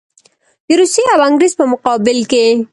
د روسیې او انګرېز په مقابل کې.